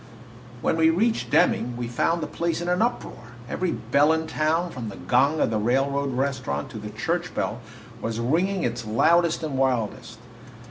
When we reached Deming we found the place in an uproar. Every bell in town, from the gong of the railroad restaurant to the church bell, was ringing its loudest and wildest.